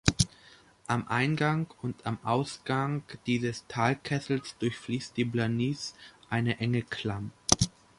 Am Eingang und am Ausgang dieses Talkessels durchfließt die Blanice eine enge Klamm.